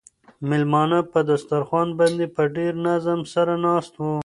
مېلمانه په دسترخوان باندې په ډېر نظم سره ناست وو.